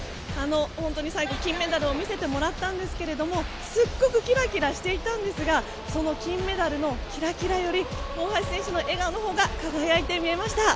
本当に最後、金メダルを見せてもらったんですがすごくキラキラしていたんですがその金メダルのキラキラより大橋選手の笑顔のほうが輝いて見えました。